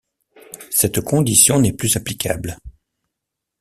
Cette condition n'est plus applicable.